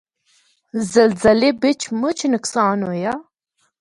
زلزلے بچ مُچ نقصان ہویا۔